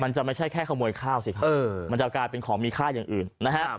จะไม่ใช่แค่ขโมยข้าวสิครับมันจะกลายเป็นของมีค่าอย่างอื่นนะฮะ